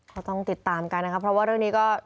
ก็ต้องติดตามกันนะครับเพราะว่าเรื่องนี้ก็